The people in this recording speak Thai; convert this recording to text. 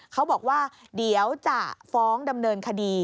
เขาบอกว่าเดี๋ยวจะฟ้องดำเนินคดี